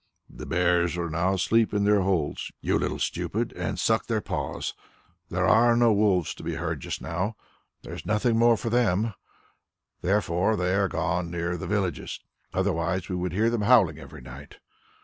"The bears are now asleep in their holes, you little stupid, and suck their paws. And there are no wolves to be heard just now. There is nothing more for them here; therefore they are gone near the villages; otherwise we would hear them howling every night."